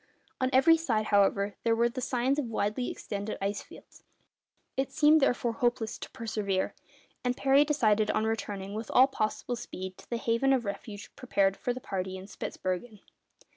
On every side, however, there were the signs of widely extended ice fields. It seemed, therefore, hopeless to persevere, and Parry decided on returning with all possible speed to the haven of refuge prepared for the party in Spitzbergen.